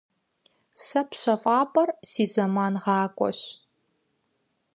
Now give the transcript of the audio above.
Сэ пщэфӏапӏэр си зэмангъакӏуэщ.